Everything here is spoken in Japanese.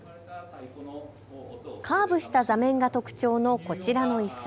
カーブした座面が特徴のこちらのいす。